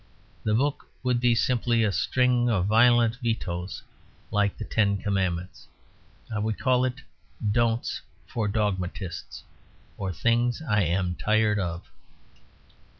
The book would be simply a string of violent vetoes, like the Ten Commandments. I would call it "Don'ts for Dogmatists; or Things I am Tired Of."